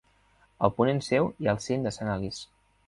A ponent seu hi ha el cim de Sant Alís.